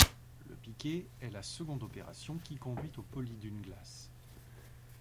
Le piqué est la seconde opération qui conduit au poli d'une glace.